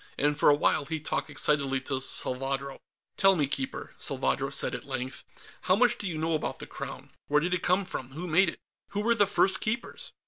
And for a while he talked excitedly to Salvadro. "Tell me, Keeper," Salvadro said at length, "how much do you know about the Crown? Where did it come from; who made it; who were the first Keepers?"